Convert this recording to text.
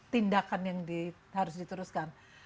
tindakan yang harus diteruskan